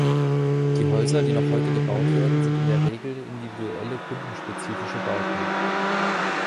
Die Häuser, die noch heute gebaut werden, sind in der Regel individuelle kundenspezifische Bauten.